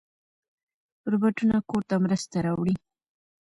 روباټونه کور ته مرسته راوړي.